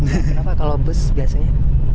kenapa kalau bus biasanya